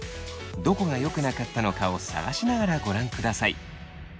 どこがよくなかったのかを探しながらご覧ください。